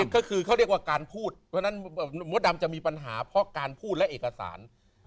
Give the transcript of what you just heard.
ก็คือเขาเรียกว่าการพูดเพราะฉะนั้นมดดำจะมีปัญหาเพราะการพูดและเอกสาร